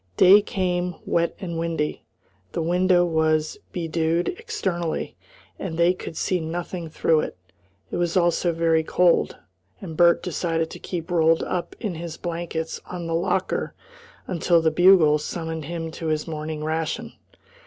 Day came, wet and windy. The window was bedewed externally, and they could see nothing through it. It was also very cold, and Bert decided to keep rolled up in his blankets on the locker until the bugle summoned him to his morning ration.